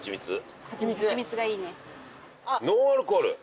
ノンアルコール。